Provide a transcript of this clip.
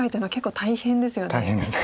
大変です。